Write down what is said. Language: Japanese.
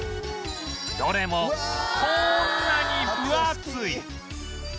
どれもこんなに分厚い！